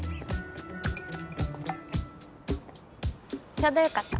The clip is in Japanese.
ちょうどよかった。